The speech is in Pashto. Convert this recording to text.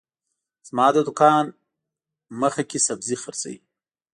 زما د دوکان مخه کي سبزي حرڅوي